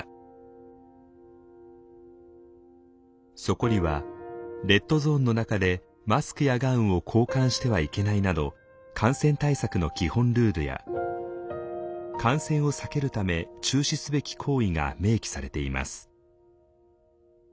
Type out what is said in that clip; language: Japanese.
そこには「レッドゾーンの中でマスクやガウンを交換してはいけない」など感染対策の基本ルールや感染を避けるため中止すべき行為が明記されています。